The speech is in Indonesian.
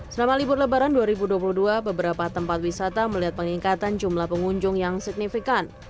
selama libur lebaran dua ribu dua puluh dua beberapa tempat wisata melihat peningkatan jumlah pengunjung yang signifikan